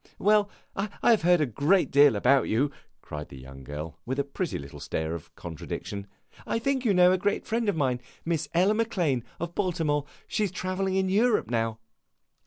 "Well, I have heard a great deal about you!" cried the young girl, with a pretty little stare of contradiction. "I think you know a great friend of mine, Miss Ella Maclane, of Baltimore. She 's travelling in Europe now."